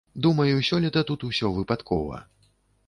Думаю, сёлета тут усё выпадкова.